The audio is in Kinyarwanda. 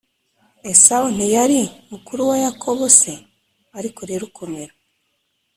Esawu ntiyari mukuru wa Yakobo se Ariko rero komera